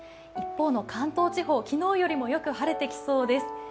一方の関東地方、昨日よりもよく晴れてきそうです。